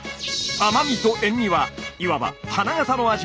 甘味と塩味はいわば花形の味。